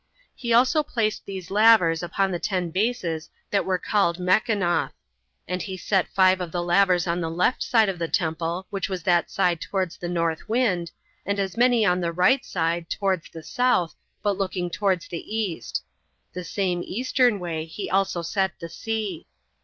He also placed these lavers upon the ten bases that were called Mechonoth; and he set five of the lavers on the left side of the temple 11 which was that side towards the north wind, and as many on the right side, towards the south, but looking towards the east; the same [eastern] way he also set the sea.